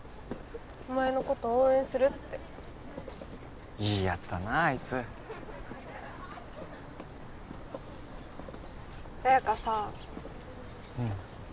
お前のこと応援するっていいヤツだなあいつ彩花さうん